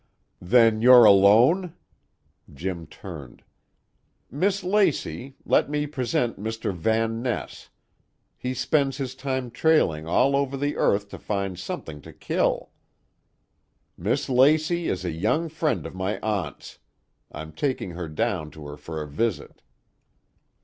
"Then you're alone?" Jim turned. "Miss Lacey, let me present Mr. Van Ness; he spends his time trailing all over the earth to find something to kill. Miss Lacey is a young friend of my aunt's; I'm taking her down to her for a visit."